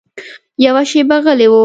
يوه شېبه غلی و.